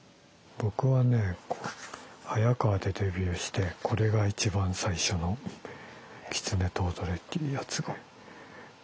僕はねハヤカワでデビューしてこれが一番最初の「狐と踊れ」っていうやつが。